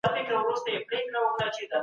دا فعالیت د لید احساس سره تړاو لري.